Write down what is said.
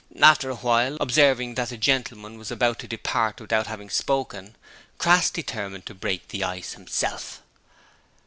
After a while, observing that the gentleman was about to depart without having spoken, Crass determined to break the ice himself.